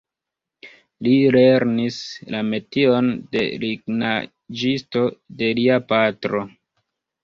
Li lernis la metion de lignaĵisto de lia patro.